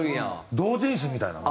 同人誌みたいなの？